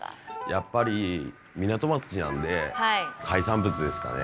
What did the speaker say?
やっぱり港町なんで海産物ですかね。